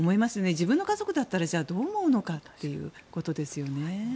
自分の家族だったらどう思うのかってことですよね。